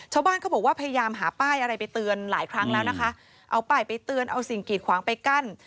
ชาวบ้านเขาบอกว่าพยายามหาป้ายอะไรไปเตือนหลายครั้งแล้วนะคะเอาป้ายไปเตือนเอาสิ่งกีดขวางไปกั้น